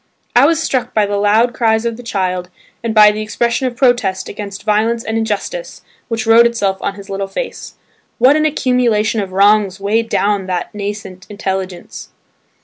I was struck by the loud cries of the child and by the expression of protest against violence and injustice which wrote itself on his little face. What an accumulation of wrongs weighed down that nascent intelligence